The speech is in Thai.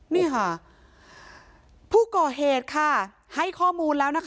นี่ค่ะผู้ก่อเหตุค่ะให้ข้อมูลแล้วนะคะ